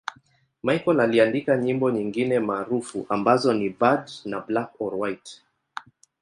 Michael aliandika nyimbo nyingine maarufu ambazo ni 'Bad' na 'Black or White'.